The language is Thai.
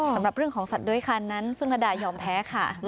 สำหรับเรื่องของสัตว์ด้วยคันนั้นฟึ่งระดายอมแพ้ค่ะ